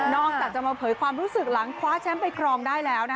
จากจะมาเผยความรู้สึกหลังคว้าแชมป์ไปครองได้แล้ว